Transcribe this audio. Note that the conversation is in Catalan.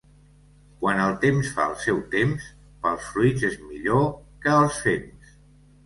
Quan el temps fa el seu temps, pels fruits és millor que els fems.